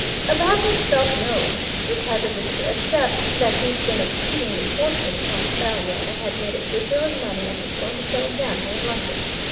"About himself, no," replied the visitor, "except that he'd been exceedingly fortunate in Australia, and had made a good deal of money and was going to settle down here in London.